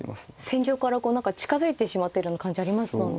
戦場からこう何か近づいてしまっているような感じありますもんね。